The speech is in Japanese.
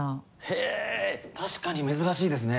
へぇ確かに珍しいですね。